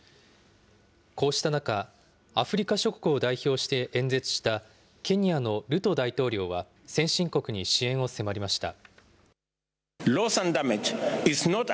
こうした中、アフリカ諸国を代表して演説した、ケニアのルト大統領は、先進国に支援を迫りました。